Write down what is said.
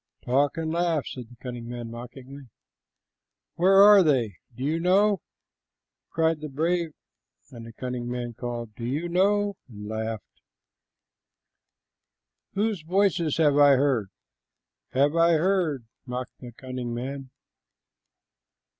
"Talk and laugh," said the cunning man mockingly. "Where are they? Do you know?" cried the brave, and the cunning man called, "Do you know?" and laughed. "Whose voices have I heard?" "Have I heard?" mocked the cunning man.